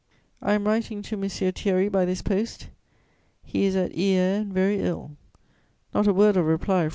"I am writing to M. Thierry by this post. He is at Hyères and very ill. Not a word of reply from M.